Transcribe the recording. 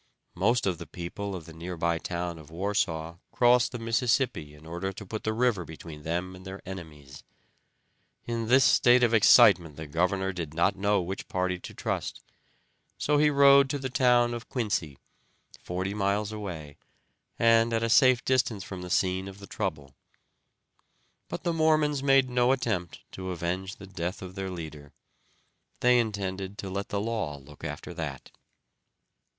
Most of the people of the near by town of Warsaw crossed the Mississippi in order to put the river between them and their enemies. In this state of excitement the governor did not know which party to trust, so he rode to the town of Quincy, forty miles away, and at a safe distance from the scene of trouble. But the Mormons made no attempt to avenge the death of their leader; they intended to let the law look after that.